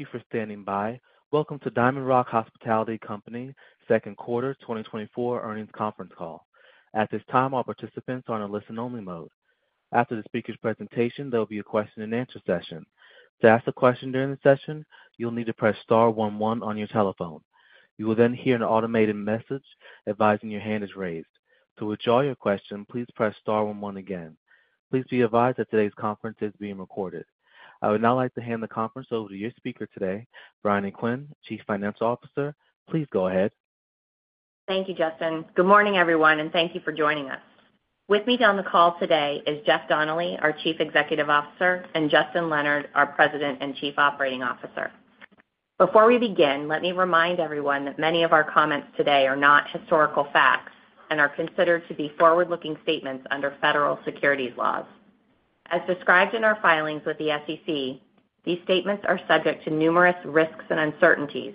Thank you for standing by. Welcome to DiamondRock Hospitality Company's Second Quarter 2024 earnings conference call. At this time, all participants are in a listen-only mode. After the speaker's presentation, there will be a question-and-answer session. To ask a question during the session, you'll need to press star one one on your telephone. You will then hear an automated message advising your hand is raised. To withdraw your question, please press star one one again. Please be advised that today's conference is being recorded. I would now like to hand the conference over to your speaker today, Briony Quinn, Chief Financial Officer. Please go ahead. Thank you, Justin. Good morning, everyone, and thank you for joining us. With me on the call today is Jeff Donnelly, our Chief Executive Officer, and Justin Leonard, our President and Chief Operating Officer. Before we begin, let me remind everyone that many of our comments today are not historical facts and are considered to be forward-looking statements under federal securities laws. As described in our filings with the SEC, these statements are subject to numerous risks and uncertainties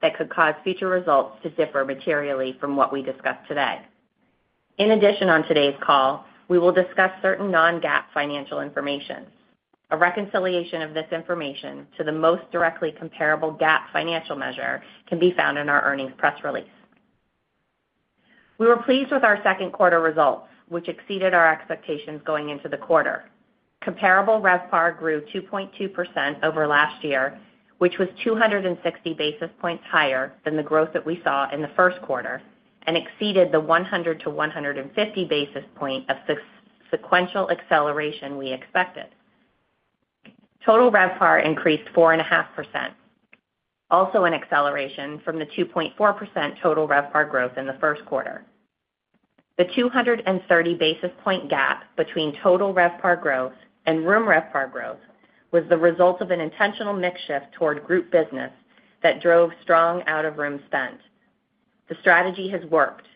that could cause future results to differ materially from what we discuss today. In addition, on today's call, we will discuss certain non-GAAP financial information. A reconciliation of this information to the most directly comparable GAAP financial measure can be found in our earnings press release. We were pleased with our second quarter results, which exceeded our expectations going into the quarter. Comparable RevPAR grew 2.2% over last year, which was 260 basis points higher than the growth that we saw in the first quarter and exceeded the 100-150 basis points of sequential acceleration we expected. Total RevPAR increased 4.5%, also an acceleration from the 2.4% total RevPAR growth in the first quarter. The 230 basis points gap between total RevPAR growth and room RevPAR growth was the result of an intentional mix shift toward group business that drove strong out-of-room spend. The strategy has worked.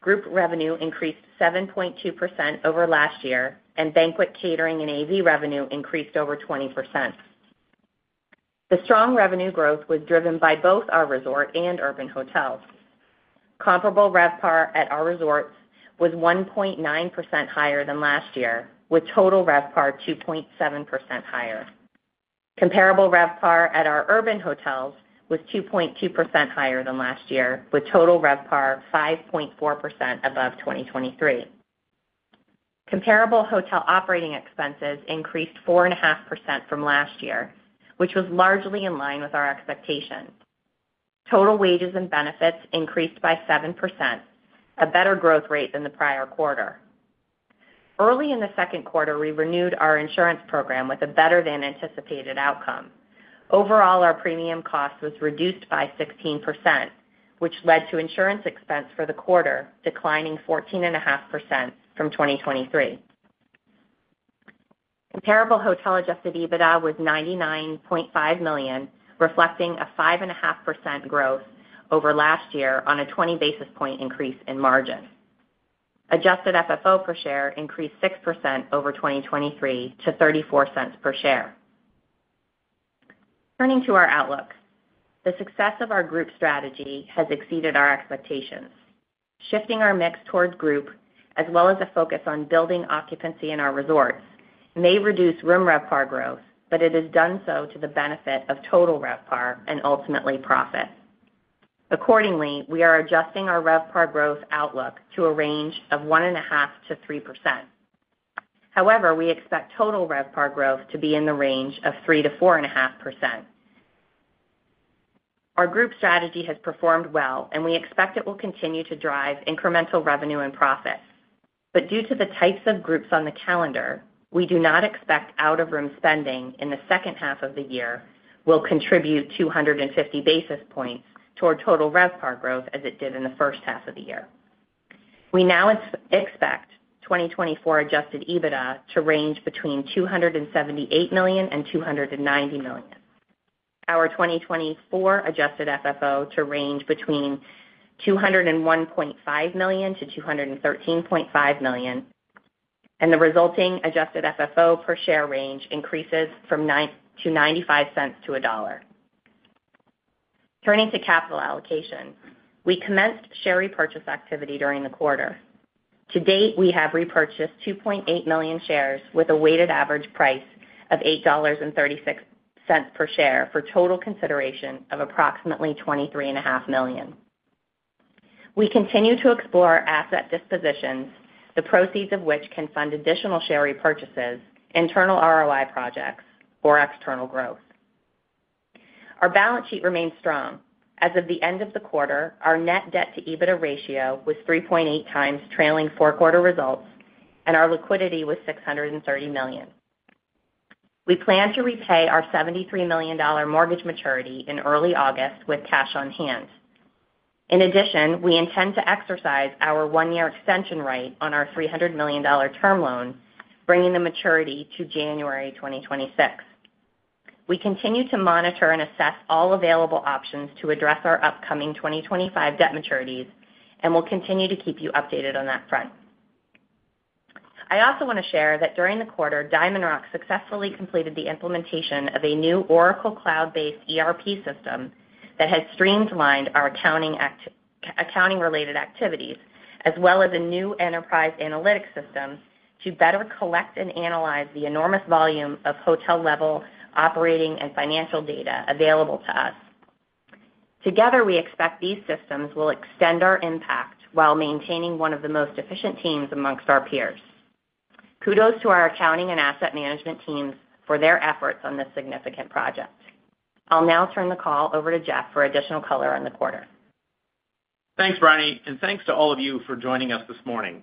Group revenue increased 7.2% over last year, and banquet catering and AV revenue increased over 20%. The strong revenue growth was driven by both our resort and urban hotels. Comparable RevPAR at our resorts was 1.9% higher than last year, with total RevPAR 2.7% higher. Comparable RevPAR at our urban hotels was 2.2% higher than last year, with total RevPAR 5.4% above 2023. Comparable hotel operating expenses increased 4.5% from last year, which was largely in line with our expectation. Total wages and benefits increased by 7%, a better growth rate than the prior quarter. Early in the second quarter, we renewed our insurance program with a better-than-anticipated outcome. Overall, our premium cost was reduced by 16%, which led to insurance expense for the quarter declining 14.5% from 2023. Comparable Hotel Adjusted EBITDA was $99.5 million, reflecting a 5.5% growth over last year on a 20 basis points increase in margin. Adjusted FFO per share increased 6% over 2023 to $0.34 per share. Turning to our outlook, the success of our group strategy has exceeded our expectations. Shifting our mix toward group, as well as a focus on building occupancy in our resorts, may reduce room RevPAR growth, but it has done so to the benefit of Total RevPAR and ultimately profit. Accordingly, we are adjusting our RevPAR growth outlook to a range of 1.5%-3%. However, we expect total RevPAR growth to be in the range of 3%-4.5%. Our group strategy has performed well, and we expect it will continue to drive incremental revenue and profit. But due to the types of groups on the calendar, we do not expect out-of-room spending in the second half of the year will contribute 250 basis points toward total RevPAR growth as it did in the first half of the year. We now expect 2024 adjusted EBITDA to range between $278 million and $290 million. Our 2024 adjusted FFO to range between $201.5 million to $213.5 million, and the resulting adjusted FFO per share range increases from $0.95 to $1. Turning to capital allocation, we commenced share repurchase activity during the quarter. To date, we have repurchased 2.8 million shares with a weighted average price of $8.36 per share for total consideration of approximately $23.5 million. We continue to explore asset dispositions, the proceeds of which can fund additional share repurchases, internal ROI projects, or external growth. Our balance sheet remains strong. As of the end of the quarter, our net debt-to-EBITDA ratio was 3.8 times trailing four-quarter results, and our liquidity was $630 million. We plan to repay our $73 million mortgage maturity in early August with cash on hand. In addition, we intend to exercise our one-year extension right on our $300 million term loan, bringing the maturity to January 2026. We continue to monitor and assess all available options to address our upcoming 2025 debt maturities, and we'll continue to keep you updated on that front. I also want to share that during the quarter, DiamondRock successfully completed the implementation of a new Oracle Cloud-based ERP system that has streamlined our accounting-related activities, as well as a new enterprise analytics system to better collect and analyze the enormous volume of hotel-level operating and financial data available to us. Together, we expect these systems will extend our impact while maintaining one of the most efficient teams amongst our peers. Kudos to our accounting and asset management teams for their efforts on this significant project. I'll now turn the call over to Jeff for additional color on the quarter. Thanks, Briony, and thanks to all of you for joining us this morning.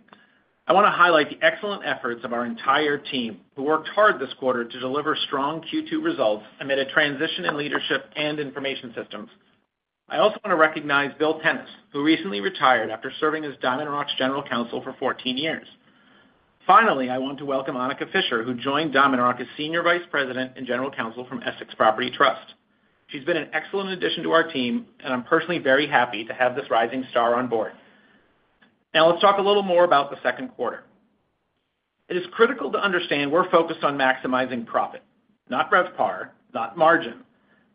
I want to highlight the excellent efforts of our entire team, who worked hard this quarter to deliver strong Q2 results amid a transition in leadership and information systems. I also want to recognize Bill Tennis, who recently retired after serving as DiamondRock's General Counsel for 14 years. Finally, I want to welcome Anika Fischer, who joined DiamondRock as Senior Vice President and General Counsel from Essex Property Trust. She's been an excellent addition to our team, and I'm personally very happy to have this rising star on board. Now, let's talk a little more about the second quarter. It is critical to understand we're focused on maximizing profit, not RevPAR, not margin.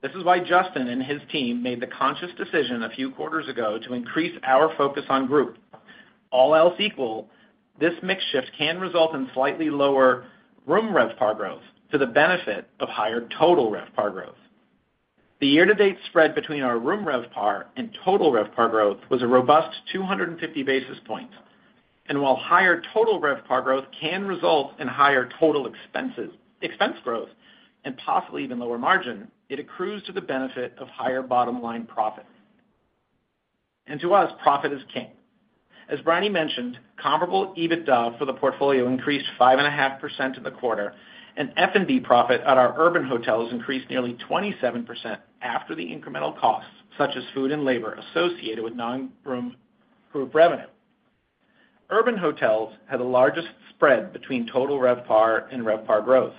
This is why Justin and his team made the conscious decision a few quarters ago to increase our focus on group. All else equal, this mix shift can result in slightly lower room RevPAR growth to the benefit of higher total RevPAR growth. The year-to-date spread between our room RevPAR and total RevPAR growth was a robust 250 basis points. While higher total RevPAR growth can result in higher total expense growth and possibly even lower margin, it accrues to the benefit of higher bottom-line profit. To us, profit is king. As Briony mentioned, comparable EBITDA for the portfolio increased 5.5% in the quarter, and F&B profit at our urban hotels increased nearly 27% after the incremental costs, such as food and labor, associated with non-room group revenue. Urban hotels had the largest spread between total RevPAR and RevPAR growth.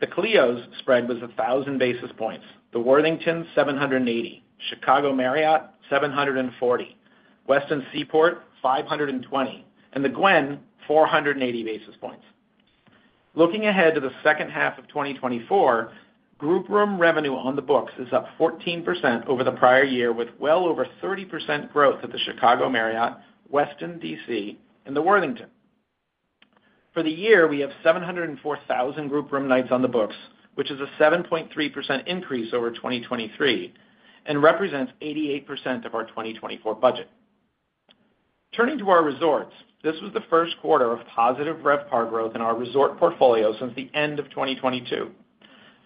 The Clio's spread was 1,000 basis points, The Worthington 780, Chicago Marriott 740, Westin Seaport 520, and The Gwen 480 basis points. Looking ahead to the second half of 2024, group room revenue on the books is up 14% over the prior year, with well over 30% growth at the Chicago Marriott, Westin D.C., and The Worthington. For the year, we have 704,000 group room nights on the books, which is a 7.3% increase over 2023 and represents 88% of our 2024 budget. Turning to our resorts, this was the first quarter of positive RevPAR growth in our resort portfolio since the end of 2022.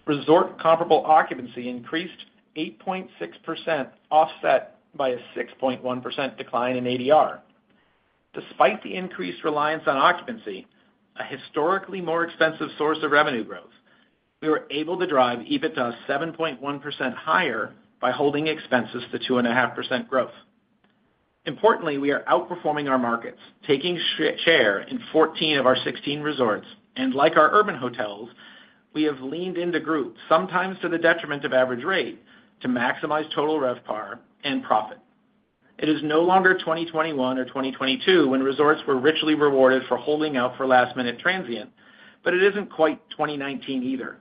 Resort comparable occupancy increased 8.6%, offset by a 6.1% decline in ADR. Despite the increased reliance on occupancy, a historically more expensive source of revenue growth, we were able to drive EBITDA 7.1% higher by holding expenses to 2.5% growth. Importantly, we are outperforming our markets, taking share in 14 of our 16 resorts. Like our urban hotels, we have leaned into groups, sometimes to the detriment of average rate, to maximize Total RevPAR and profit. It is no longer 2021 or 2022 when resorts were richly rewarded for holding out for last-minute transient, but it isn't quite 2019 either.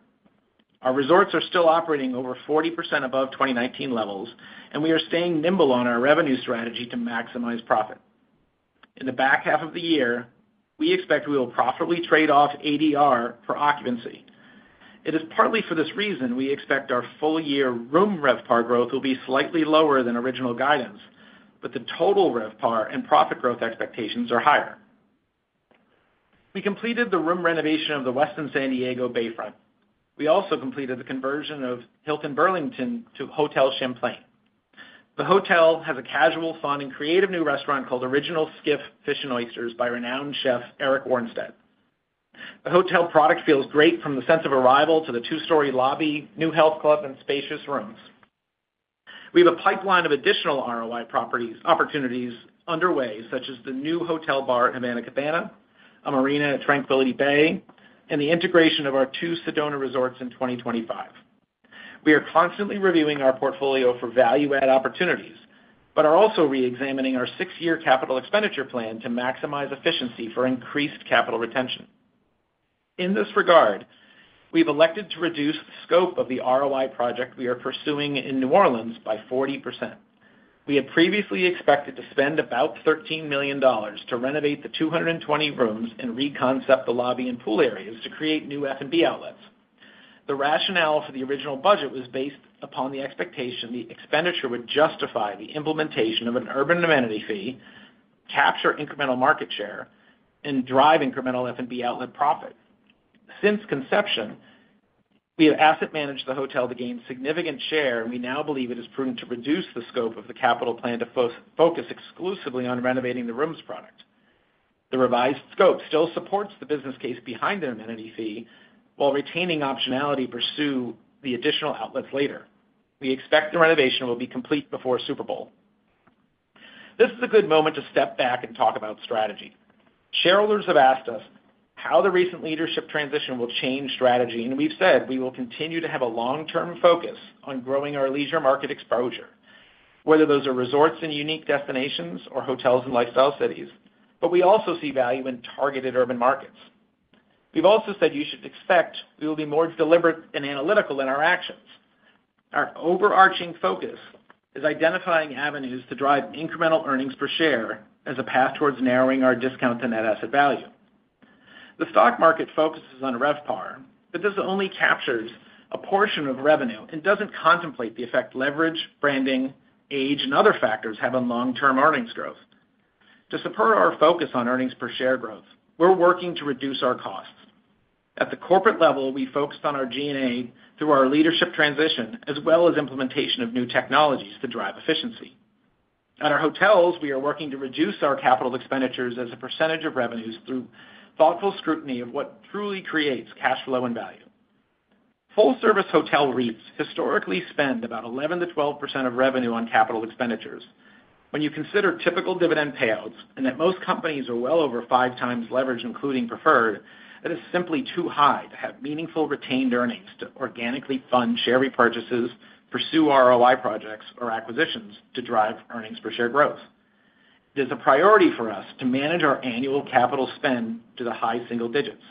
Our resorts are still operating over 40% above 2019 levels, and we are staying nimble on our revenue strategy to maximize profit. In the back half of the year, we expect we will profitably trade off ADR for occupancy. It is partly for this reason we expect our full-year room RevPAR growth will be slightly lower than original guidance, but the Total RevPAR and profit growth expectations are higher. We completed the room renovation of the Westin San Diego Bayfront. We also completed the conversion of Hilton Burlington to Hotel Champlain. The hotel has a casual, fun, and creative new restaurant called Original Skiff Fish + Oysters by renowned chef Eric Warnstedt. The hotel product feels great from the sense of arrival to the two-story lobby, new health club, and spacious rooms. We have a pipeline of additional ROI opportunities underway, such as the new hotel bar at Havana Cabana, a marina at Tranquility Bay, and the integration of our two Sedona resorts in 2025. We are constantly reviewing our portfolio for value-add opportunities, but are also re-examining our six-year capital expenditure plan to maximize efficiency for increased capital retention. In this regard, we've elected to reduce the scope of the ROI project we are pursuing in New Orleans by 40%. We had previously expected to spend about $13 million to renovate the 220 rooms and reconcept the lobby and pool areas to create new F&B outlets. The rationale for the original budget was based upon the expectation the expenditure would justify the implementation of an urban amenity fee, capture incremental market share, and drive incremental F&B outlet profit. Since conception, we have asset managed the hotel to gain significant share, and we now believe it is prudent to reduce the scope of the capital plan to focus exclusively on renovating the rooms product. The revised scope still supports the business case behind an amenity fee while retaining optionality to pursue the additional outlets later. We expect the renovation will be complete before Super Bowl. This is a good moment to step back and talk about strategy. Shareholders have asked us how the recent leadership transition will change strategy, and we've said we will continue to have a long-term focus on growing our leisure market exposure, whether those are resorts and unique destinations or hotels and lifestyle cities. But we also see value in targeted urban markets. We've also said you should expect we will be more deliberate and analytical in our actions. Our overarching focus is identifying avenues to drive incremental earnings per share as a path towards narrowing our discount to net asset value. The stock market focuses on RevPAR, but this only captures a portion of revenue and doesn't contemplate the effect leverage, branding, age, and other factors have on long-term earnings growth. To support our focus on earnings per share growth, we're working to reduce our costs. At the corporate level, we focused on our G&A through our leadership transition, as well as implementation of new technologies to drive efficiency. At our hotels, we are working to reduce our capital expenditures as a percentage of revenues through thoughtful scrutiny of what truly creates cash flow and value. Full-service hotel REITs historically spend about 11%-12% of revenue on capital expenditures. When you consider typical dividend payouts and that most companies are well over 5x leverage, including preferred, that is simply too high to have meaningful retained earnings to organically fund share repurchases, pursue ROI projects, or acquisitions to drive earnings per share growth. It is a priority for us to manage our annual capital spend to the high single digits.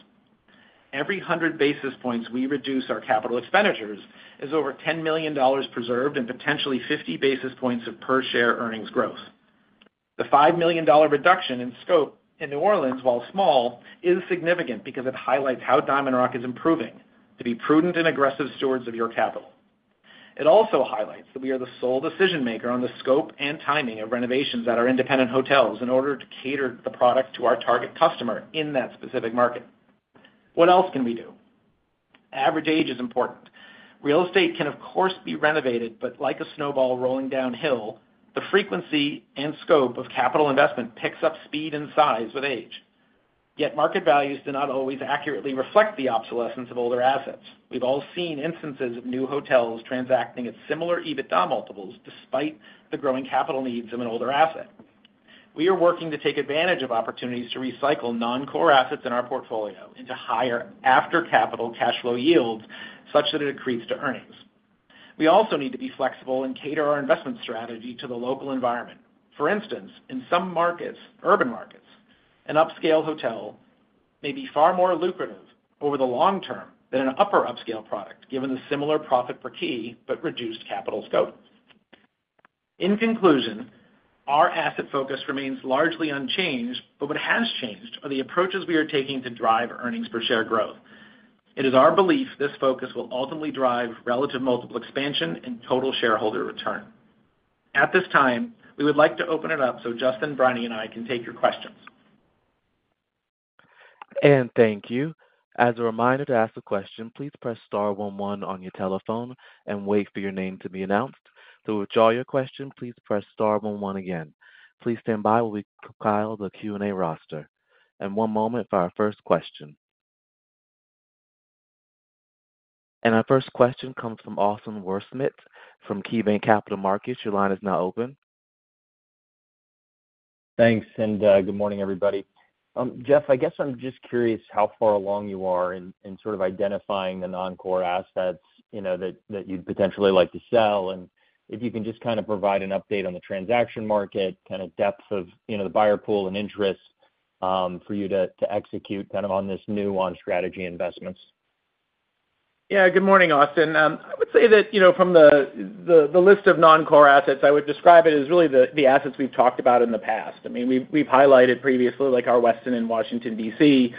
Every 100 basis points we reduce our capital expenditures is over $10 million preserved and potentially 50 basis points of per share earnings growth. The $5 million reduction in scope in New Orleans, while small, is significant because it highlights how DiamondRock is improving to be prudent and aggressive stewards of your capital. It also highlights that we are the sole decision maker on the scope and timing of renovations at our independent hotels in order to cater the product to our target customer in that specific market. What else can we do? Average age is important. Real estate can, of course, be renovated, but like a snowball rolling downhill, the frequency and scope of capital investment picks up speed and size with age. Yet market values do not always accurately reflect the obsolescence of older assets. We've all seen instances of new hotels transacting at similar EBITDA multiples despite the growing capital needs of an older asset. We are working to take advantage of opportunities to recycle non-core assets in our portfolio into higher after-capital cash flow yields such that it accretes to earnings. We also need to be flexible and cater our investment strategy to the local environment. For instance, in some urban markets, an upscale hotel may be far more lucrative over the long term than an upper upscale product, given the similar profit per key but reduced capital scope. In conclusion, our asset focus remains largely unchanged, but what has changed are the approaches we are taking to drive earnings per share growth. It is our belief this focus will ultimately drive relative multiple expansion and total shareholder return. At this time, we would like to open it up so Justin, Briony, and I can take your questions. Thank you. As a reminder to ask a question, please press star one one on your telephone and wait for your name to be announced. To withdraw your question, please press star one one again. Please stand by while we compile the Q&A roster. One moment for our first question. Our first question comes from Austin Wurschmidt from KeyBanc Capital Markets. Your line is now open. Thanks. Good morning, everybody. Jeff, I guess I'm just curious how far along you are in sort of identifying the non-core assets that you'd potentially like to sell and if you can just kind of provide an update on the transaction market, kind of depth of the buyer pool and interest for you to execute kind of on this new on strategy investments? Yeah, good morning, Austin. I would say that from the list of non-core assets, I would describe it as really the assets we've talked about in the past. I mean, we've highlighted previously like our Westin in Washington, D.C.,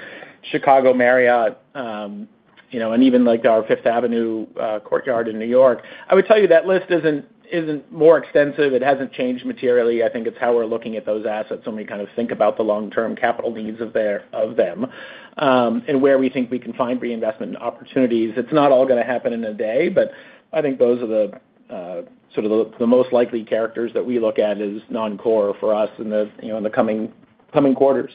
Chicago Marriott, and even like our Fifth Avenue Courtyard in New York. I would tell you that list isn't more extensive. It hasn't changed materially. I think it's how we're looking at those assets when we kind of think about the long-term capital needs of them and where we think we can find reinvestment opportunities. It's not all going to happen in a day, but I think those are the sort of the most likely characters that we look at as non-core for us in the coming quarters.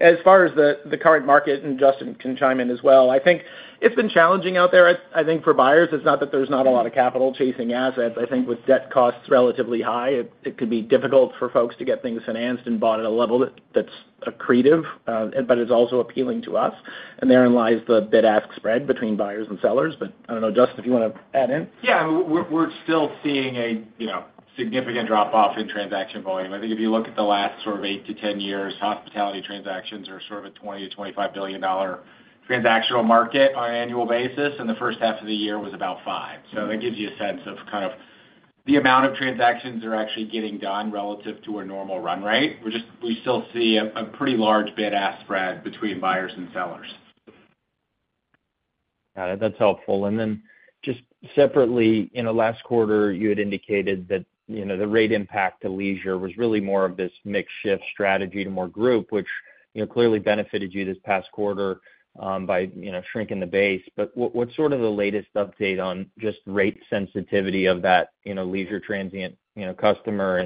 As far as the current market, and Justin can chime in as well, I think it's been challenging out there. I think for buyers, it's not that there's not a lot of capital chasing assets. I think with debt costs relatively high, it could be difficult for folks to get things financed and bought at a level that's accretive, but it's also appealing to us. And therein lies the bid-ask spread between buyers and sellers. But I don't know, Justin, if you want to add in? Yeah, we're still seeing a significant drop-off in transaction volume. I think if you look at the last sort of 8-10 years, hospitality transactions are sort of a $20-$25 billion transactional market on an annual basis, and the first half of the year was about $5 billion. So that gives you a sense of kind of the amount of transactions that are actually getting done relative to a normal run rate. We still see a pretty large bid-ask spread between buyers and sellers. Got it. That's helpful. And then just separately, in the last quarter, you had indicated that the rate impact to leisure was really more of this mixed shift strategy to more group, which clearly benefited you this past quarter by shrinking the base. But what's sort of the latest update on just rate sensitivity of that leisure transient customer?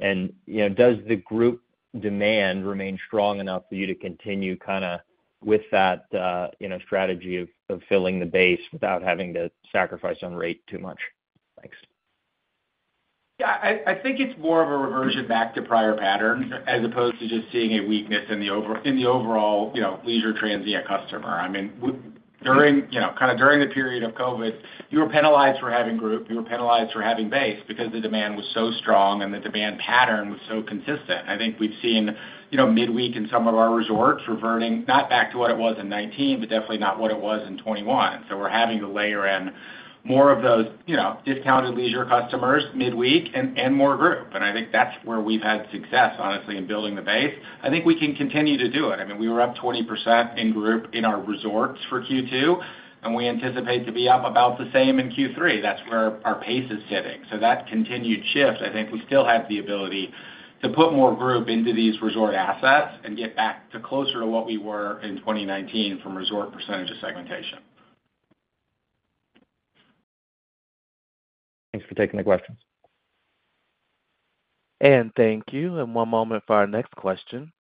And does the group demand remain strong enough for you to continue kind of with that strategy of filling the base without having to sacrifice on rate too much? Thanks. Yeah, I think it's more of a reversion back to prior patterns as opposed to just seeing a weakness in the overall leisure transient customer. I mean, kind of during the period of COVID, you were penalized for having group. You were penalized for having base because the demand was so strong and the demand pattern was so consistent. I think we've seen midweek in some of our resorts reverting not back to what it was in 2019, but definitely not what it was in 2021. So we're having to layer in more of those discounted leisure customers midweek and more group. And I think that's where we've had success, honestly, in building the base. I think we can continue to do it. I mean, we were up 20% in group in our resorts for Q2, and we anticipate to be up about the same in Q3. That's where our pace is sitting. So that continued shift, I think we still have the ability to put more group into these resort assets and get back closer to what we were in 2019 from resort percentage of segmentation. Thanks for taking the questions. Thank you. One moment for our next question.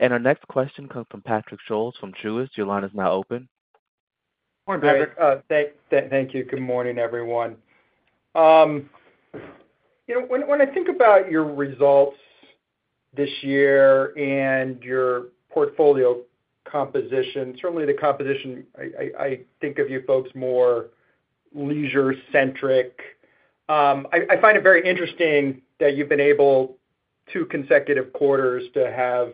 Our next question comes from Patrick Scholes from Truist. Your line is now open. Morning, Patrick. Thank you. Good morning, everyone. When I think about your results this year and your portfolio composition, certainly the composition, I think of you folks more leisure-centric. I find it very interesting that you've been able two consecutive quarters to have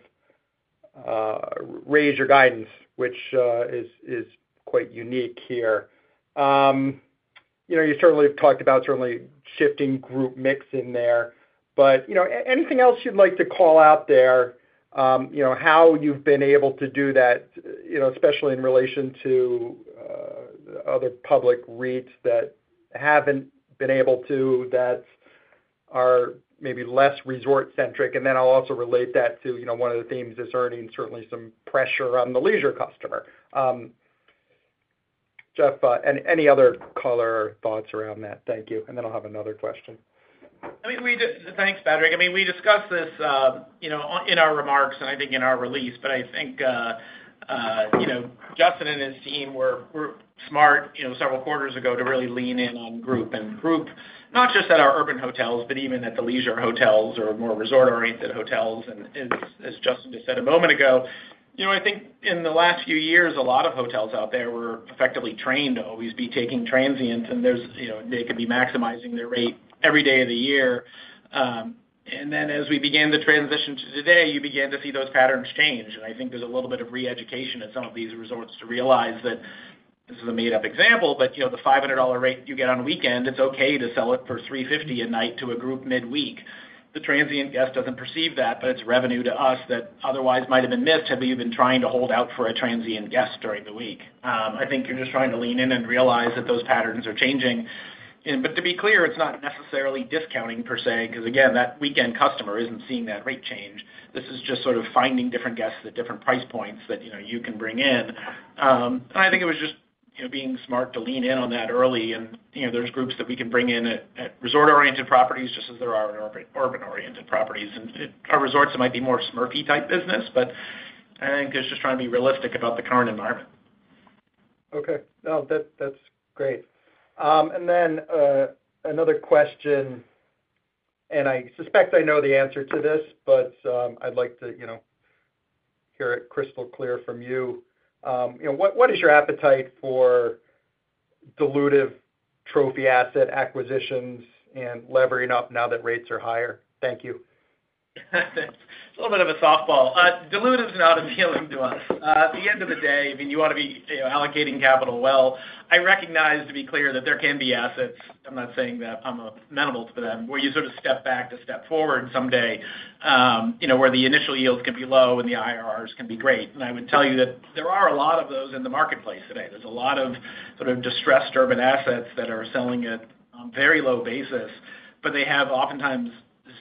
raise your guidance, which is quite unique here. You certainly have talked about certainly shifting group mix in there. But anything else you'd like to call out there, how you've been able to do that, especially in relation to other public REITs that haven't been able to, that are maybe less resort-centric? And then I'll also relate that to one of the themes is earning certainly some pressure on the leisure customer. Jeff, any other color or thoughts around that? Thank you. And then I'll have another question. I mean, thanks, Patrick. I mean, we discussed this in our remarks and I think in our release, but I think Justin and his team were smart several quarters ago to really lean in on group and group, not just at our urban hotels, but even at the leisure hotels or more resort-oriented hotels. And as Justin just said a moment ago, I think in the last few years, a lot of hotels out there were effectively trained to always be taking transients, and they could be maximizing their rate every day of the year. And then as we began the transition to today, you began to see those patterns change. I think there's a little bit of re-education in some of these resorts to realize that this is a made-up example, but the $500 rate you get on a weekend, it's okay to sell it for $350 a night to a group midweek. The transient guest doesn't perceive that, but it's revenue to us that otherwise might have been missed had we been trying to hold out for a transient guest during the week. I think you're just trying to lean in and realize that those patterns are changing. But to be clear, it's not necessarily discounting per se, because again, that weekend customer isn't seeing that rate change. This is just sort of finding different guests at different price points that you can bring in. And I think it was just being smart to lean in on that early. There's groups that we can bring in at resort-oriented properties just as there are in urban-oriented properties. And our resorts might be more SMERF-type business, but I think it's just trying to be realistic about the current environment. Okay. No, that's great. Then another question, and I suspect I know the answer to this, but I'd like to hear it crystal clear from you. What is your appetite for dilutive trophy asset acquisitions and levering up now that rates are higher? Thank you. It's a little bit of a softball. Dilutive is not appealing to us. At the end of the day, I mean, you want to be allocating capital well. I recognize, to be clear, that there can be assets. I'm not saying that I'm amenable to them, where you sort of step back to step forward someday, where the initial yields can be low and the IRRs can be great. And I would tell you that there are a lot of those in the marketplace today. There's a lot of sort of distressed urban assets that are selling at a very low basis, but they have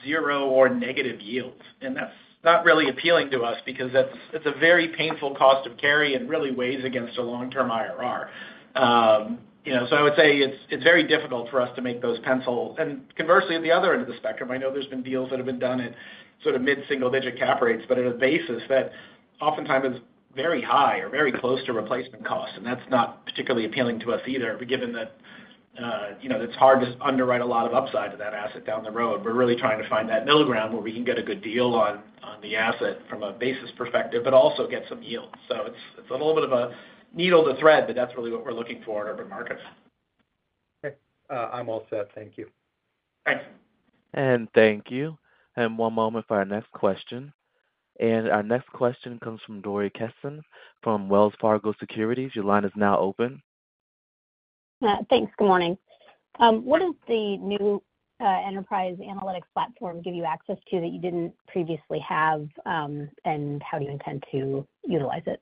oftentimes zero or negative yields. And that's not really appealing to us because it's a very painful cost of carry and really weighs against a long-term IRR. So I would say it's very difficult for us to make those pencils. And conversely, at the other end of the spectrum, I know there's been deals that have been done at sort of mid-single-digit cap rates, but at a basis that oftentimes is very high or very close to replacement cost. And that's not particularly appealing to us either, given that it's hard to underwrite a lot of upside to that asset down the road. We're really trying to find that middle ground where we can get a good deal on the asset from a basis perspective, but also get some yield. So it's a little bit of a needle to thread, but that's really what we're looking for in urban markets. Okay. I'm all set. Thank you. Thanks. Thank you. One moment for our next question. Our next question comes from Dori Kesten from Wells Fargo Securities. Your line is now open. Thanks. Good morning. What does the new enterprise analytics platform give you access to that you didn't previously have, and how do you intend to utilize it?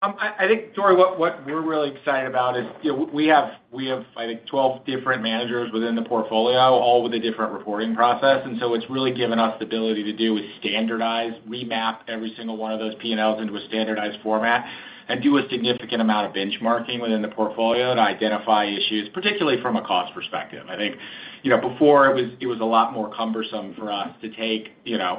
I think, Dori, what we're really excited about is we have, I think, 12 different managers within the portfolio, all with a different reporting process. And so it's really given us the ability to do a standardized remap every single one of those P&Ls into a standardized format and do a significant amount of benchmarking within the portfolio to identify issues, particularly from a cost perspective. I think before it was a lot more cumbersome for us to take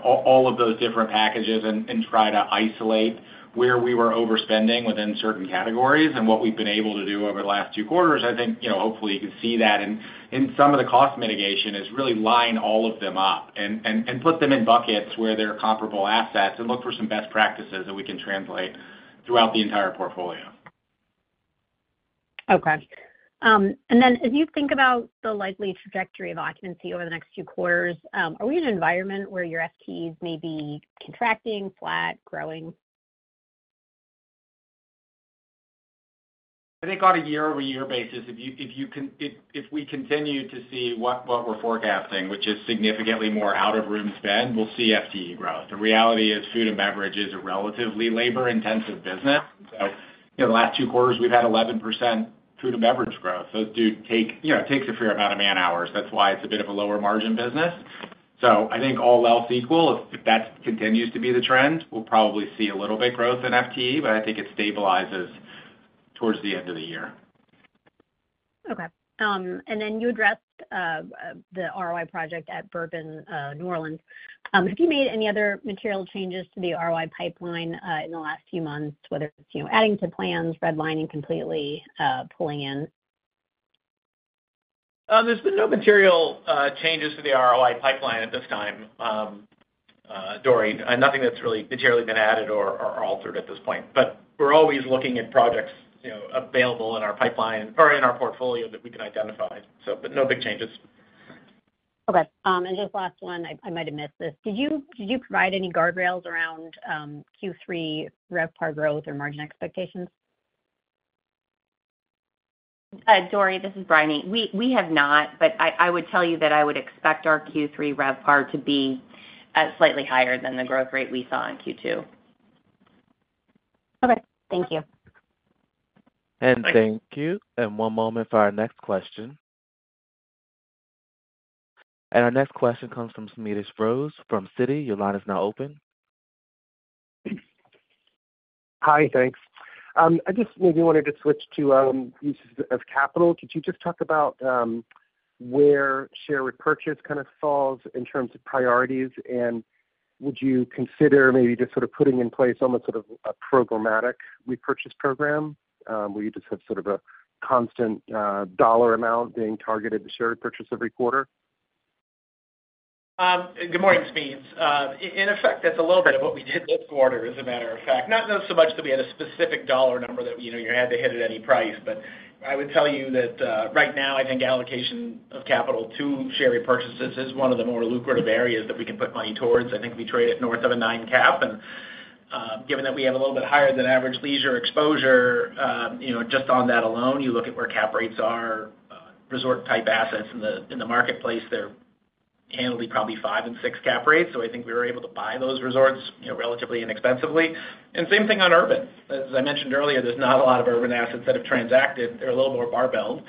all of those different packages and try to isolate where we were overspending within certain categories and what we've been able to do over the last 2 quarters. I think hopefully you can see that in some of the cost mitigation is really line all of them up and put them in buckets where they're comparable assets and look for some best practices that we can translate throughout the entire portfolio. Okay. And then as you think about the likely trajectory of occupancy over the next few quarters, are we in an environment where your FTEs may be contracting, flat, growing? I think on a year-over-year basis, if we continue to see what we're forecasting, which is significantly more out-of-room spend, we'll see FTE growth. The reality is food and beverage is a relatively labor-intensive business. So the last two quarters, we've had 11% food and beverage growth. Those do take a fair amount of man-hours. That's why it's a bit of a lower-margin business. So I think all else equal, if that continues to be the trend, we'll probably see a little bit of growth in FTE, but I think it stabilizes towards the end of the year. Okay. Then you addressed the ROI project at Bourbon, New Orleans. Have you made any other material changes to the ROI pipeline in the last few months, whether it's adding to plans, redlining completely, pulling in? There's been no material changes to the ROI pipeline at this time, Dori. Nothing that's really materially been added or altered at this point. But we're always looking at projects available in our pipeline or in our portfolio that we can identify. But no big changes. Okay. Just last one, I might have missed this. Did you provide any guardrails around Q3 RevPAR growth or margin expectations? Dori, this is Briony. We have not, but I would tell you that I would expect our Q3 RevPAR to be slightly higher than the growth rate we saw in Q2. Okay. Thank you. Thank you. One moment for our next question. Our next question comes from Smedes Rose from Citi. Your line is now open. Hi, thanks. I just maybe wanted to switch to uses of capital. Could you just talk about where share repurchase kind of falls in terms of priorities? And would you consider maybe just sort of putting in place almost sort of a programmatic repurchase program where you just have sort of a constant dollar amount being targeted to share repurchase every quarter? Good morning, Smedes. In effect, that's a little bit of what we did this quarter, as a matter of fact. Not so much that we had a specific dollar number that you had to hit at any price, but I would tell you that right now, I think allocation of capital to share repurchases is one of the more lucrative areas that we can put money towards. I think we trade at north of a 9 cap. Given that we have a little bit higher than average leisure exposure, just on that alone, you look at where cap rates are, resort-type assets in the marketplace, they're handled at probably 5 and 6 cap rates. I think we were able to buy those resorts relatively inexpensively. Same thing on urban. As I mentioned earlier, there's not a lot of urban assets that have transacted. They're a little more barbelled.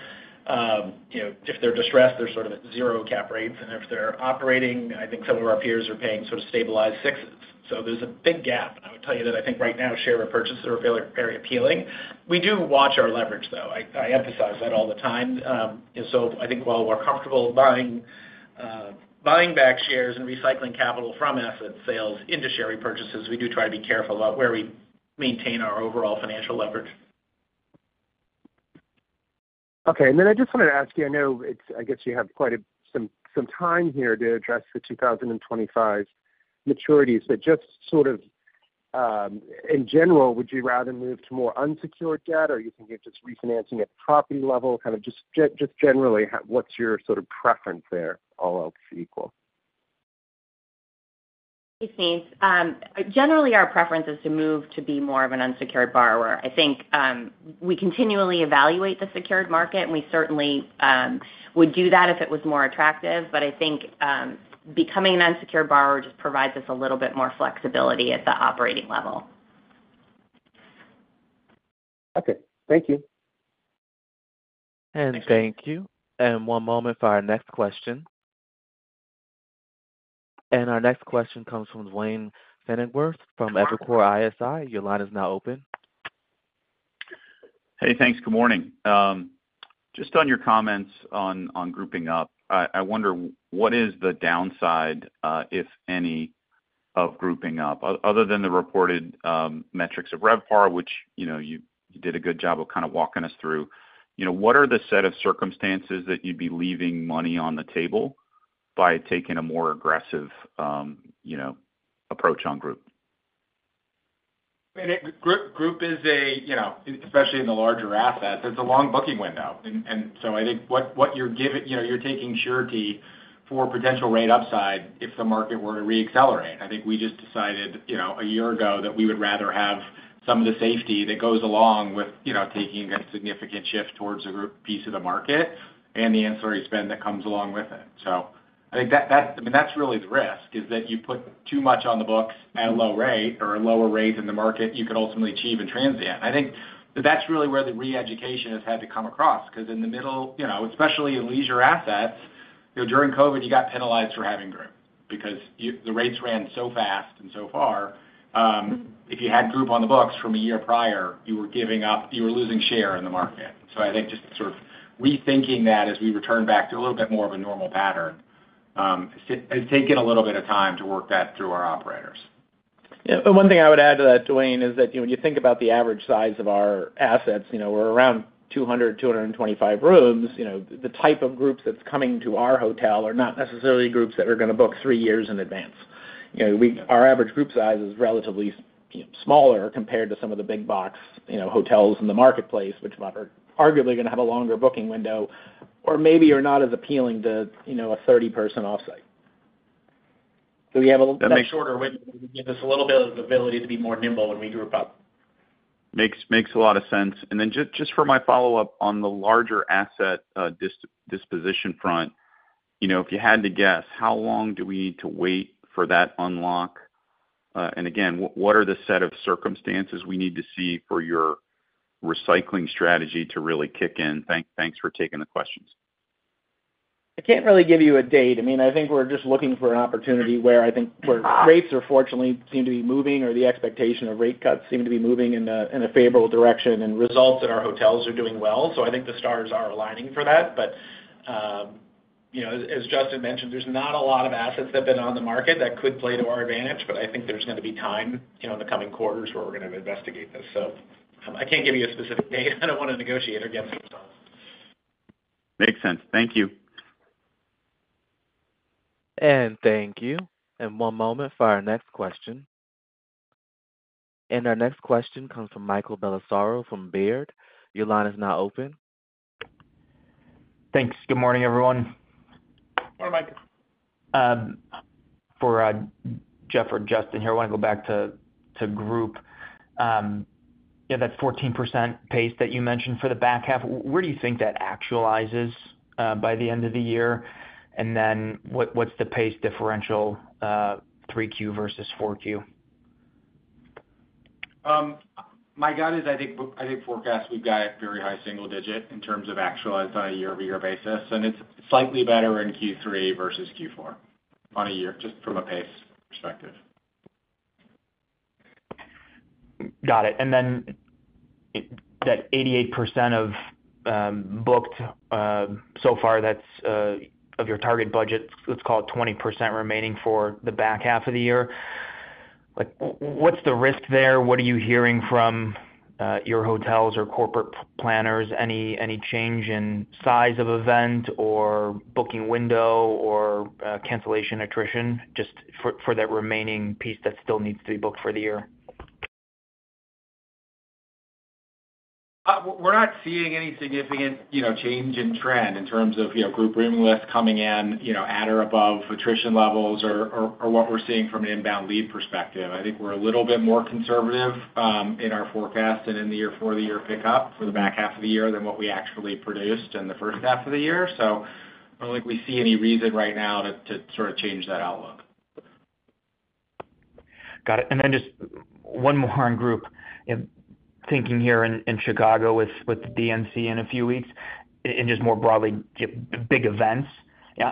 If they're distressed, they're sort of at 0 cap rates. If they're operating, I think some of our peers are paying sort of stabilized 6s. There's a big gap. I would tell you that I think right now, share repurchases are very appealing. We do watch our leverage, though. I emphasize that all the time. While we're comfortable buying back shares and recycling capital from asset sales into share repurchases, we do try to be careful about where we maintain our overall financial leverage. Okay. Then I just wanted to ask you, I know I guess you have quite some time here to address the 2025 maturities, but just sort of in general, would you rather move to more unsecured debt or are you thinking of just refinancing at the property level? Kind of just generally, what's your sort of preference there? All else equal. Thanks, Smedes. Generally, our preference is to move to be more of an unsecured borrower. I think we continually evaluate the secured market, and we certainly would do that if it was more attractive. But I think becoming an unsecured borrower just provides us a little bit more flexibility at the operating level. Okay. Thank you. Thank you. One moment for our next question. Our next question comes from Duane Pfennigwerth from Evercore ISI. Your line is now open. Hey, thanks. Good morning. Just on your comments on grouping up, I wonder what is the downside, if any, of grouping up? Other than the reported metrics of RevPAR, which you did a good job of kind of walking us through, what are the set of circumstances that you'd be leaving money on the table by taking a more aggressive approach on group? Group is a, especially in the larger assets, it's a long booking window. And so I think what you're taking surety for potential rate upside if the market were to re-accelerate. I think we just decided a year ago that we would rather have some of the safety that goes along with taking a significant shift towards a group piece of the market and the ancillary spend that comes along with it. So I think that, I mean, that's really the risk, is that you put too much on the books at a low rate or a lower rate in the market you could ultimately achieve in transient. I think that that's really where the re-education has had to come across because in the middle, especially in leisure assets, during COVID, you got penalized for having group because the rates ran so fast and so far. If you had group on the books from a year prior, you were giving up, you were losing share in the market. So I think just sort of rethinking that as we return back to a little bit more of a normal pattern has taken a little bit of time to work that through our operators. Yeah. One thing I would add to that, Duane, is that when you think about the average size of our assets, we're around 200-225 rooms. The type of groups that's coming to our hotel are not necessarily groups that are going to book three years in advance. Our average group size is relatively smaller compared to some of the big box hotels in the marketplace, which are arguably going to have a longer booking window or maybe are not as appealing to a 30-person offsite. So we have a little bit of. That makes shorter windows. It gives us a little bit of the ability to be more nimble when we group up. Makes a lot of sense. And then just for my follow-up on the larger asset disposition front, if you had to guess, how long do we need to wait for that unlock? And again, what are the set of circumstances we need to see for your recycling strategy to really kick in? Thanks for taking the questions. I can't really give you a date. I mean, I think we're just looking for an opportunity where I think where rates fortunately seem to be moving or the expectation of rate cuts seem to be moving in a favorable direction and results in our hotels are doing well. So I think the stars are aligning for that. But as Justin mentioned, there's not a lot of assets that have been on the market that could play to our advantage, but I think there's going to be time in the coming quarters where we're going to investigate this. So I can't give you a specific date. I don't want to negotiate against ourselves. Makes sense. Thank you. Thank you. One moment for our next question. Our next question comes from Michael Bellisario from Baird. Your line is now open. Thanks. Good morning, everyone. Morning, Mike. For Jeff or Justin here, I want to go back to group. Yeah, that 14% pace that you mentioned for the back half, where do you think that actualizes by the end of the year? And then what's the pace differential, 3Q versus 4Q? My gut is I think forecast we've got a very high single digit in terms of actual on a year-over-year basis. It's slightly better in Q3 versus Q4 on a year, just from a pace perspective. Got it. And then that 88% of booked so far, that's of your target budget, let's call it 20% remaining for the back half of the year. What's the risk there? What are you hearing from your hotels or corporate planners? Any change in size of event or booking window or cancellation attrition just for that remaining piece that still needs to be booked for the year? We're not seeing any significant change in trend in terms of group room lists coming in at or above attrition levels or what we're seeing from an inbound lead perspective. I think we're a little bit more conservative in our forecast and in the year-for-the-year pickup for the back half of the year than what we actually produced in the first half of the year. I don't think we see any reason right now to sort of change that outlook. Got it. Then just one more on group, thinking here in Chicago with the DNC in a few weeks and just more broadly, big events.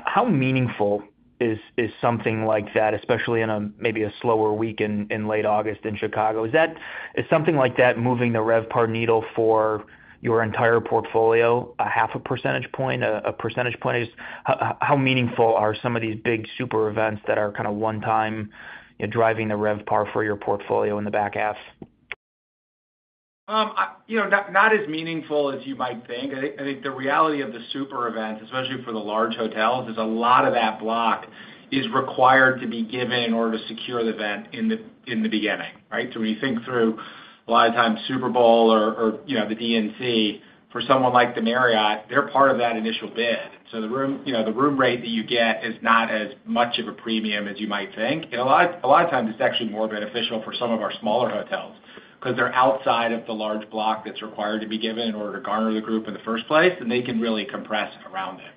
How meaningful is something like that, especially in maybe a slower week in late August in Chicago? Is something like that moving the RevPAR needle for your entire portfolio 0.5 percentage point, a percentage point? How meaningful are some of these big super events that are kind of one-time driving the RevPAR for your portfolio in the back half? Not as meaningful as you might think. I think the reality of the super events, especially for the large hotels, is a lot of that block is required to be given in order to secure the event in the beginning, right? So when you think through a lot of times Super Bowl or the DNC, for someone like the Marriott, they're part of that initial bid. So the room rate that you get is not as much of a premium as you might think. And a lot of times, it's actually more beneficial for some of our smaller hotels because they're outside of the large block that's required to be given in order to garner the group in the first place, and they can really compress around it.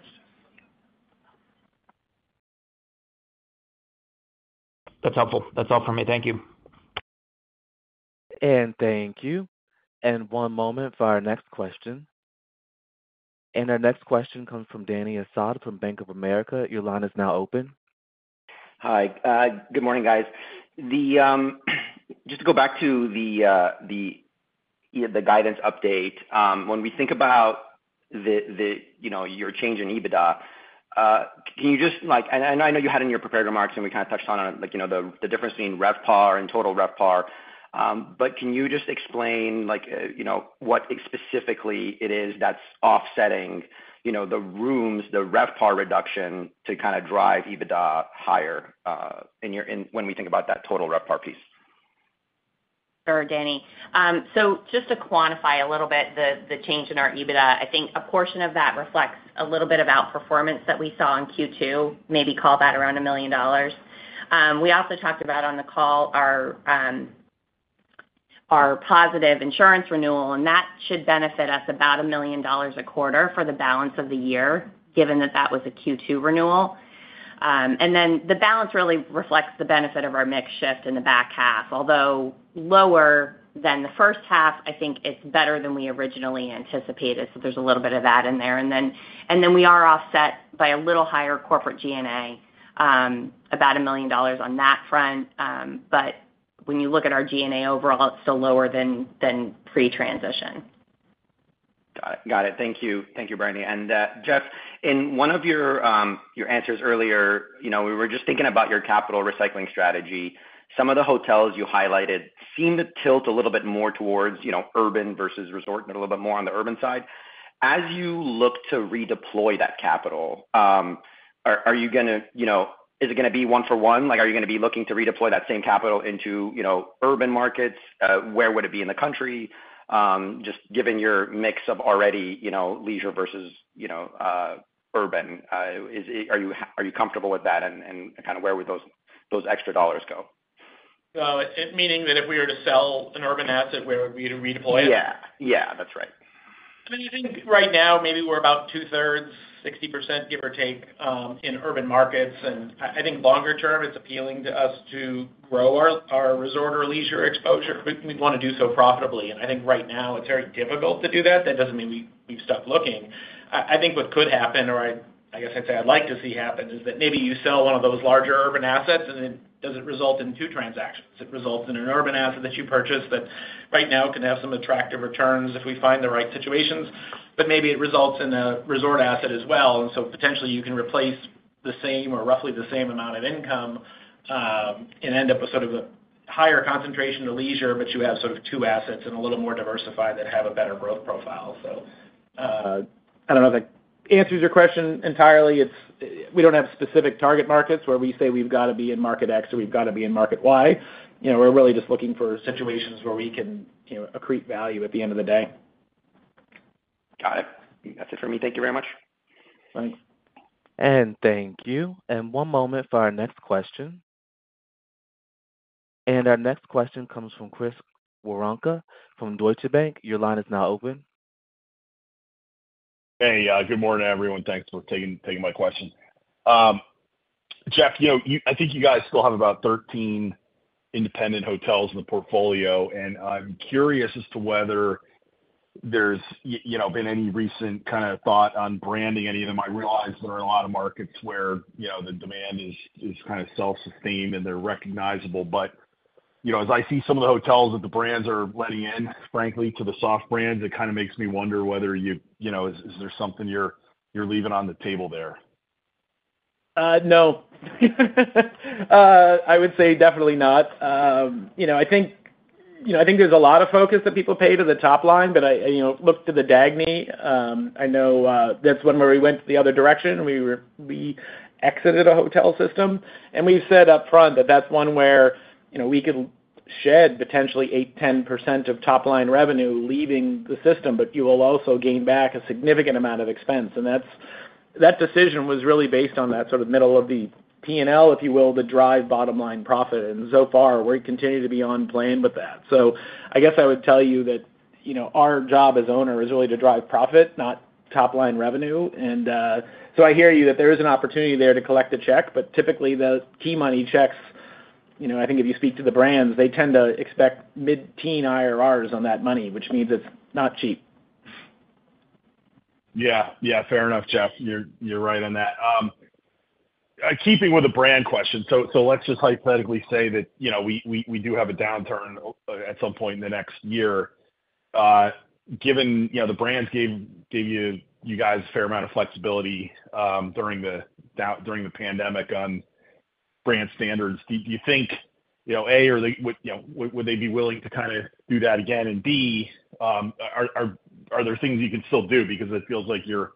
That's helpful. That's all for me. Thank you. Thank you. One moment for our next question. Our next question comes from Dany Asad from Bank of America. Your line is now open. Hi. Good morning, guys. Just to go back to the guidance update, when we think about your change in EBITDA, can you just, and I know you had in your prepared remarks and we kind of touched on it, the difference between RevPAR and Total RevPAR. But can you just explain what specifically it is that's offsetting the rooms, the RevPAR reduction to kind of drive EBITDA higher when we think about that Total RevPAR piece? Sure, Danny. So just to quantify a little bit the change in our EBITDA, I think a portion of that reflects a little bit of outperformance that we saw in Q2, maybe call that around $1 million. We also talked about on the call our positive insurance renewal, and that should benefit us about $1 million a quarter for the balance of the year, given that that was a Q2 renewal. And then the balance really reflects the benefit of our mix shift in the back half. Although lower than the first half, I think it's better than we originally anticipated. So there's a little bit of that in there. And then we are offset by a little higher corporate G&A, about $1 million on that front. But when you look at our G&A overall, it's still lower than pre-transition. Got it. Got it. Thank you. Thank you, Briony. And Jeff, in one of your answers earlier, we were just thinking about your capital recycling strategy. Some of the hotels you highlighted seem to tilt a little bit more towards urban versus resort and a little bit more on the urban side. As you look to redeploy that capital, are you going to—is it going to be one-for-one? Are you going to be looking to redeploy that same capital into urban markets? Where would it be in the country? Just given your mix of already leisure versus urban, are you comfortable with that? And kind of where would those extra dollars go? Meaning that if we were to sell an urban asset, where would we redeploy it? Yeah. Yeah. That's right. I mean, I think right now, maybe we're about 2/3, 60%, give or take, in urban markets. And I think longer term, it's appealing to us to grow our resort or leisure exposure. We want to do so profitably. And I think right now, it's very difficult to do that. That doesn't mean we've stopped looking. I think what could happen, or I guess I'd say I'd like to see happen, is that maybe you sell one of those larger urban assets and it doesn't result in two transactions. It results in an urban asset that you purchase that right now can have some attractive returns if we find the right situations. But maybe it results in a resort asset as well. And so potentially, you can replace the same or roughly the same amount of income and end up with sort of a higher concentration of leisure, but you have sort of two assets and a little more diversified that have a better growth profile. So I don't know if that answers your question entirely. We don't have specific target markets where we say we've got to be in market X or we've got to be in market Y. We're really just looking for situations where we can accrete value at the end of the day. Got it. That's it for me. Thank you very much. Thanks. Thank you. One moment for our next question. Our next question comes from Chris Woronka from Deutsche Bank. Your line is now open. Hey, good morning, everyone. Thanks for taking my question. Jeff, I think you guys still have about 13 independent hotels in the portfolio. I'm curious as to whether there's been any recent kind of thought on branding any of them. I realize there are a lot of markets where the demand is kind of self-sustained and they're recognizable. But as I see some of the hotels that the brands are letting in, frankly, to the soft brands, it kind of makes me wonder whether is there something you're leaving on the table there? No. I would say definitely not. I think there's a lot of focus that people pay to the top line. But look to the Dagny. I know that's one where we went the other direction. We exited a hotel system. And we've said upfront that that's one where we could shed potentially 8%-10% of top line revenue leaving the system, but you will also gain back a significant amount of expense. And that decision was really based on that sort of middle of the P&L, if you will, to drive bottom line profit. And so far, we're continuing to be on plan with that. So I guess I would tell you that our job as owner is really to drive profit, not top line revenue. And so I hear you that there is an opportunity there to collect a check, but typically, the key money checks, I think if you speak to the brands, they tend to expect mid-teen IRRs on that money, which means it's not cheap. Yeah. Yeah. Fair enough, Jeff. You're right on that. Keeping with the brand question, so let's just hypothetically say that we do have a downturn at some point in the next year. Given the brands gave you guys a fair amount of flexibility during the pandemic on brand standards, do you think, A, would they be willing to kind of do that again? And B, are there things you can still do because it feels like you're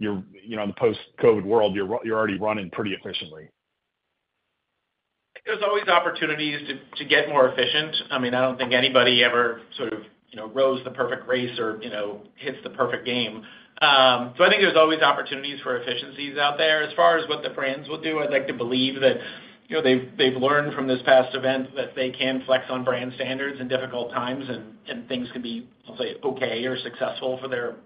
in the post-COVID world, you're already running pretty efficiently? There's always opportunities to get more efficient. I mean, I don't think anybody ever sort of rows the perfect race or hits the perfect game. So I think there's always opportunities for efficiencies out there. As far as what the brands will do, I'd like to believe that they've learned from this past event that they can flex on brand standards in difficult times and things can be, I'll say, okay or successful for their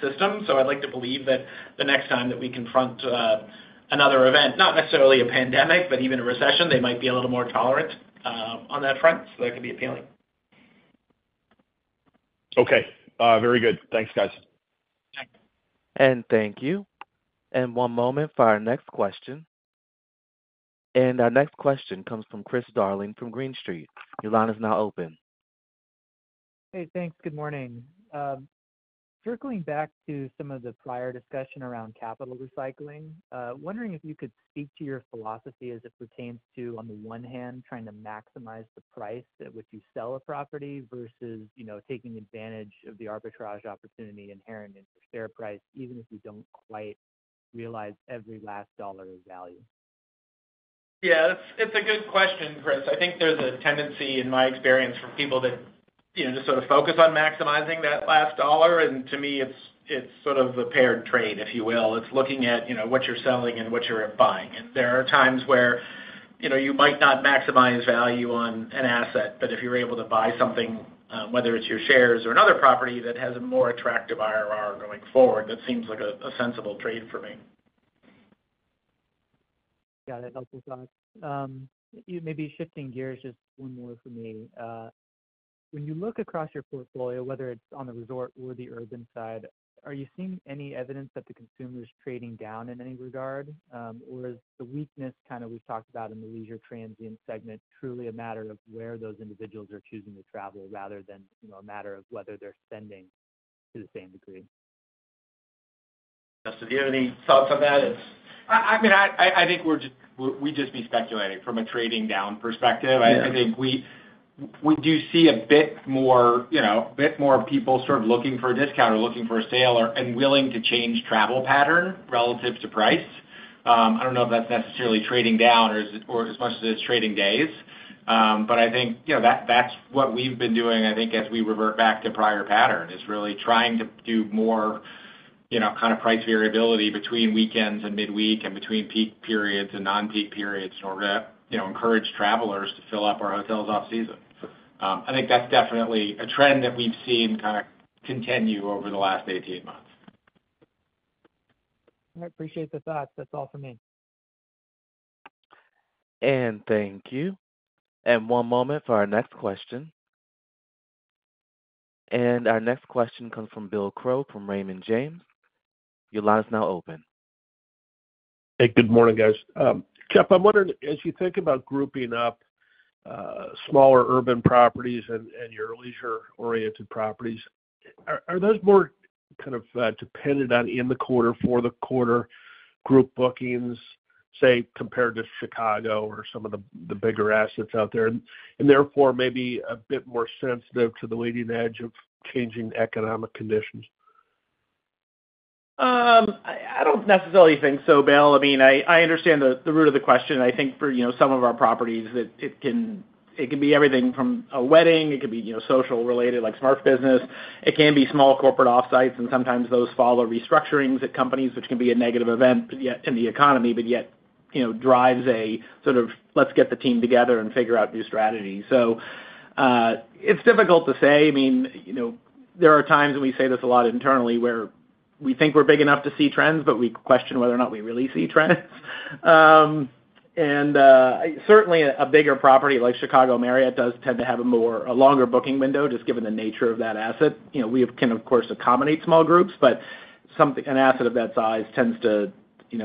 system. So I'd like to believe that the next time that we confront another event, not necessarily a pandemic, but even a recession, they might be a little more tolerant on that front. So that could be appealing. Okay. Very good. Thanks, guys. Thanks. Thank you. One moment for our next question. Our next question comes from Chris Darling from Green Street. Your line is now open. Hey, thanks. Good morning. Circling back to some of the prior discussion around capital recycling, wondering if you could speak to your philosophy as it pertains to, on the one hand, trying to maximize the price at which you sell a property versus taking advantage of the arbitrage opportunity inherent in your fair price, even if you don't quite realize every last dollar of value? Yeah. It's a good question, Chris. I think there's a tendency, in my experience, for people to just sort of focus on maximizing that last dollar. And to me, it's sort of the paired trade, if you will. It's looking at what you're selling and what you're buying. And there are times where you might not maximize value on an asset, but if you're able to buy something, whether it's your shares or another property that has a more attractive IRR going forward, that seems like a sensible trade for me. Got it. Awesome, thanks. Maybe shifting gears just one more for me. When you look across your portfolio, whether it's on the resort or the urban side, are you seeing any evidence that the consumer is trading down in any regard? Or is the weakness kind of we've talked about in the leisure transient segment truly a matter of where those individuals are choosing to travel rather than a matter of whether they're spending to the same degree? Justin, do you have any thoughts on that? I mean, I think we'd just be speculating from a trading-down perspective. I think we do see a bit more people sort of looking for a discount or looking for a sale and willing to change travel pattern relative to price. I don't know if that's necessarily trading down or as much as it's trading days. But I think that's what we've been doing, I think, as we revert back to prior pattern, is really trying to do more kind of price variability between weekends and midweek and between peak periods and non-peak periods in order to encourage travelers to fill up our hotels off-season. I think that's definitely a trend that we've seen kind of continue over the last 18 months. I appreciate the thoughts. That's all for me. Thank you. One moment for our next question. Our next question comes from Bill Crow from Raymond James. Your line is now open. Hey, good morning, guys. Jeff, I'm wondering, as you think about grouping up smaller urban properties and your leisure-oriented properties, are those more kind of dependent on in-the-quarter, for-the-quarter group bookings, say, compared to Chicago or some of the bigger assets out there? And therefore, maybe a bit more sensitive to the leading edge of changing economic conditions? I don't necessarily think so, Bill. I mean, I understand the root of the question. I think for some of our properties, it can be everything from a wedding. It can be social-related like SMERF business. It can be small corporate off-sites. And sometimes those follow restructurings at companies, which can be a negative event in the economy, but yet drives a sort of, "Let's get the team together and figure out new strategies." So it's difficult to say. I mean, there are times when we say this a lot internally where we think we're big enough to see trends, but we question whether or not we really see trends. And certainly, a bigger property like Chicago Marriott does tend to have a longer booking window just given the nature of that asset. We can, of course, accommodate small groups, but an asset of that size tends to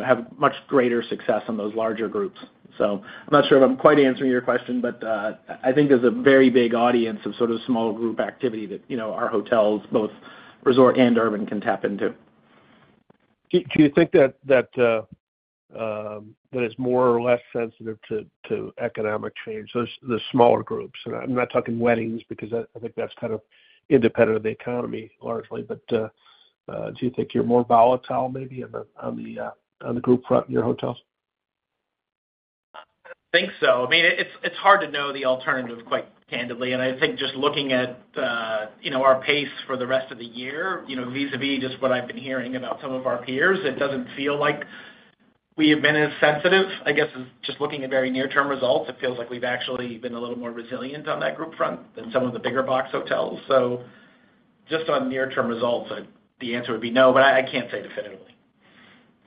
have much greater success on those larger groups. So I'm not sure if I'm quite answering your question, but I think there's a very big audience of sort of small group activity that our hotels, both resort and urban, can tap into. Do you think that it's more or less sensitive to economic change, the smaller groups? And I'm not talking weddings because I think that's kind of independent of the economy largely. But do you think you're more volatile maybe on the group front in your hotels? I don't think so. I mean, it's hard to know the alternative, quite candidly. I think just looking at our pace for the rest of the year, vis-à-vis just what I've been hearing about some of our peers, it doesn't feel like we have been as sensitive. I guess just looking at very near-term results, it feels like we've actually been a little more resilient on that group front than some of the bigger box hotels. Just on near-term results, the answer would be no, but I can't say definitively.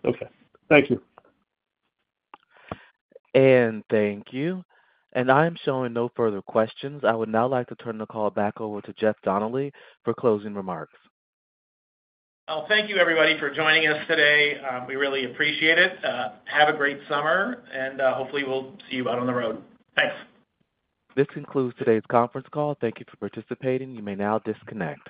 Okay. Thank you. Thank you. I am showing no further questions. I would now like to turn the call back over to Jeff Donnelly for closing remarks. Well, thank you, everybody, for joining us today. We really appreciate it. Have a great summer, and hopefully, we'll see you out on the road. Thanks. This concludes today's conference call. Thank you for participating. You may now disconnect.